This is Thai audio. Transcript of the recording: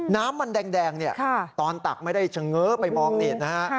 น้ำมันแดงเนี่ยตอนตักไม่ได้เฉง้อไปมองนี่นะฮะ